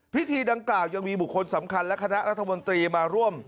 พิธีดังกล่าวยังมีบุคคลสำคัญและคณะรัฐมนตรีมาร่วม